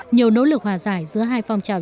nhiều nỗ lực hòa giải giữa hai phong trào